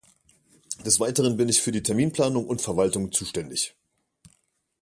Des Weiteren bin ich für die Terminplanung und -verwaltung zuständig.